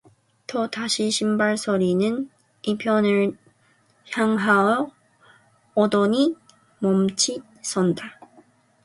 또다시 신발 소리는 이편을 향하여 오더니 멈칫 선다.